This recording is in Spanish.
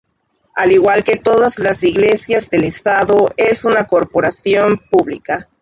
Al igual que todas las iglesias del estado, es una corporación pública.